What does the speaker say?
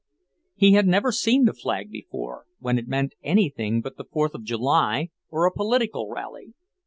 He had never seen the flag before when it meant anything but the Fourth of July, or a political rally.